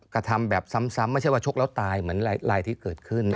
กระทำแบบซ้ำไม่ใช่ว่าชกแล้วตายเหมือนรายที่เกิดขึ้น